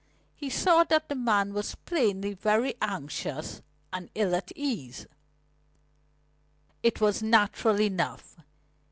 He saw that the man was plainly very anxious and ill at ease. It was natural enough.